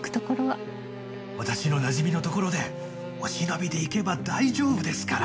私のなじみの所でお忍びで行けば大丈夫ですから。